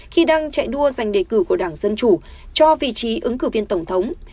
khi đang chạy đua giành đề cử của đảng dân chủ cho vị trí ứng cử viên tổng thống